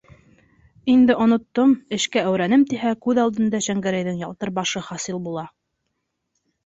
Инде онотолдом, эшкә әүрәнем тиһә, күҙ алдында Шәңгәрәйҙең ялтыр башы хасил була.